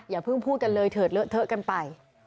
อย่าเพิ่งพูดกันเลยเถิดเลอะเทอะกันไป